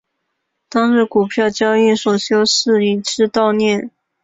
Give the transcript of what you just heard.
当日股票交易所休市以示悼念。